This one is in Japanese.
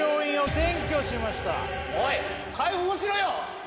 今おい解放しろよ！